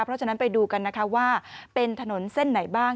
เพราะฉะนั้นไปดูกันนะคะว่าเป็นถนนเส้นไหนบ้าง